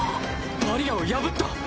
バリアを破った！